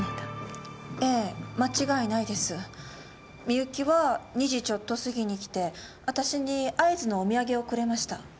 みゆきは２時ちょっと過ぎに来て私に会津のお土産をくれました。